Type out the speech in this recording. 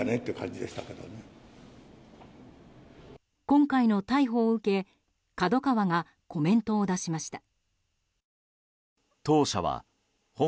今回の逮捕を受けＫＡＤＯＫＡＷＡがコメントを出しました。